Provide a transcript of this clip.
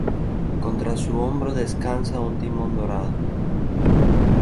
Contra su hombro descansa un timón dorado.